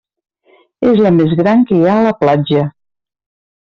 És la més gran que hi ha a la platja.